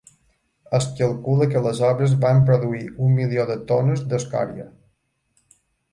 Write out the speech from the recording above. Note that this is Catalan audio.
Es calcula que les obres van produir un milió de tones d'escòria.